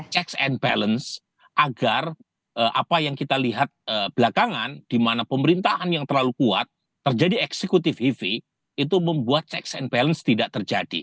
checks and balance agar apa yang kita lihat belakangan di mana pemerintahan yang terlalu kuat terjadi executive ev itu membuat checks and balance tidak terjadi